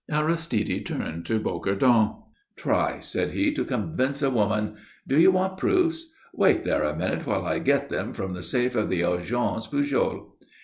Aristide turned to Bocardon. "Try," said he, "to convince a woman! Do you want proofs? Wait there a minute while I get them from the safe of the Agence Pujol."